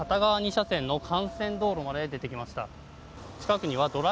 ２車線の幹線道路まで出てきました。